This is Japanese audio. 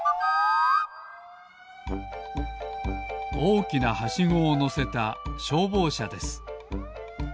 おおきなはしごをのせたしょうぼうしゃです。